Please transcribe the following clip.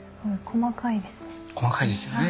細かいですね。